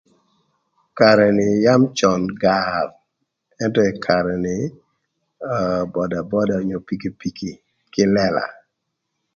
Karë ni yam cön gar, ëntö ï karë ni bodaboda onyo pikipiki kï lëla.